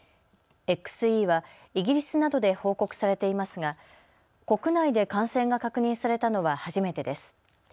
ＸＥはイギリスなどで報告されていますが国内で感染が確認されたのは初めてです。